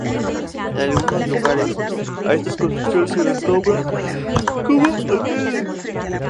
En algunos lugares, a estas construcciones se las nombra como hoteles.